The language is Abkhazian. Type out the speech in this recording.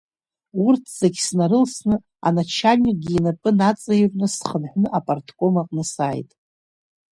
Урҭ зегьы снарылсны, аначальникгьы инапы наҵаирҩны схынҳәны апартком аҟны сааит.